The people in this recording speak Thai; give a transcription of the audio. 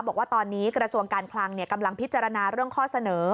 บอกว่าตอนนี้กระทรวงการคลังกำลังพิจารณาเรื่องข้อเสนอ